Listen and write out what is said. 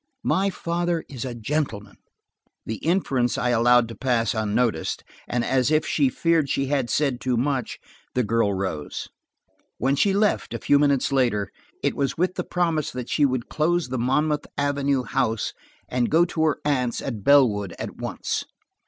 My father is a gentleman." The inference I allowed to pass unnoticed, and as if she feared she had said too much, the girl rose. When she left, a few minutes later, it was with the promise that she would close the Monmouth Avenue house and go to her aunts at Bellwood, at once.